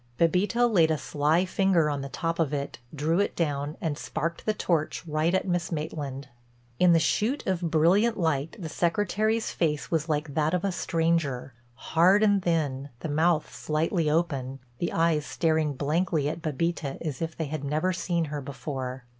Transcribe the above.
Bébita laid a sly finger on the top of it, drew it down and sparked the torch right at Miss Maitland. In the shoot of brilliant light the Secretary's face was like that of a stranger—hard and thin, the mouth slightly open, the eyes staring blankly at Bébita as if they had never seen her before.